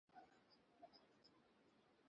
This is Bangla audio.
গুড নাইট, ফাটি।